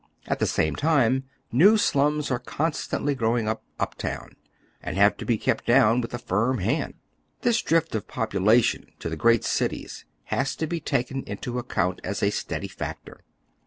At the same time new slums are constantly growing up uptown, and have to be kept down with a firm hand. This drift of the popu lation to the great cities has to be taken into account as a steady factor.